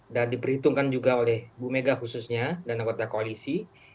dan diperhitungkan juga oleh bumega khususnya dan anggota koalisi